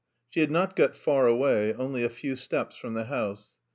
She had not got far away, only a few steps, from the house.